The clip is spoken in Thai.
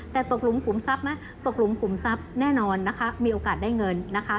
แต่ตกหลุมขุมทรัพย์ไหมตกหลุมขุมทรัพย์แน่นอนนะคะมีโอกาสได้เงินนะคะ